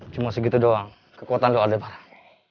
cuma segitu doang kekuatan lu aldebaran